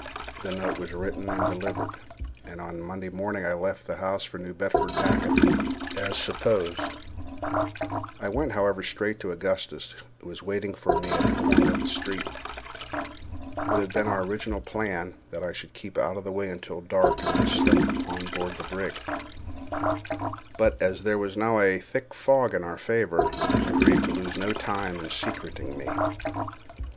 The note was written and delivered, and on a Monday morning I left the house for the New Bedford packet, as supposed. I went, however, straight to Augustus, who was waiting for me at the corner of a street. It had been our original plan that I should keep out of the way until dark, and then slip on board the brig; but, as there was now a thick fog in our favor, it was agreed to lose no time in secreting me.